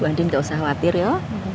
dandin gak usah khawatir yuk